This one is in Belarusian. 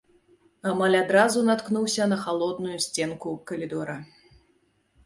Амаль адразу наткнуўся на халодную сценку калідора.